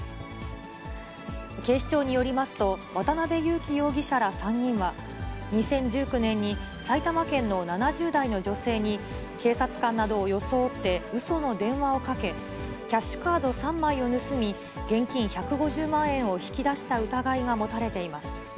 警視庁によりますと、渡辺優樹容疑者ら３人は、２０１９年に埼玉県の７０代の女性に、警察官などを装って、うその電話をかけ、キャッシュカード３枚を盗み、現金１５０万円を引き出した疑いが持たれています。